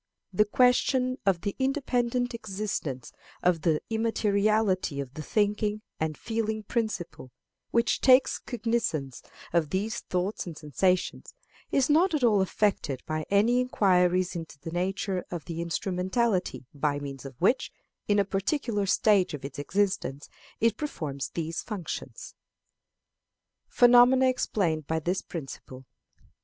The question of the independent existence and the immateriality of the thinking and feeling principle, which takes cognizance of these thoughts and sensations, is not at all affected by any inquiries into the nature of the instrumentality by means of which, in a particular stage of its existence, it performs these functions. Phenomena explained by this Principle.